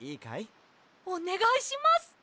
おねがいします。